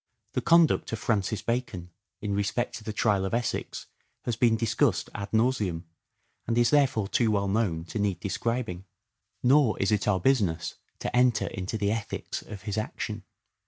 The conduct of Francis Bacon in respect to the trial of Essex has been dis cussed ad nauseam and is therefore too well known to need describing. Nor is it our business to enter into the ethics of his action.